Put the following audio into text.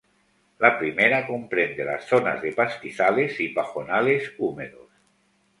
La primera comprende las zonas de pastizales y pajonales húmedos.